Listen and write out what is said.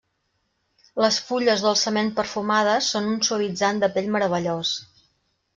Les fulles dolçament perfumades són un suavitzant de pell meravellós.